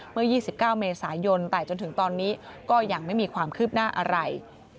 เมื่อ๒๙เมษายนแต่จนถึงตอนนี้ก็ยังไม่มีความคืบหน้าอะไร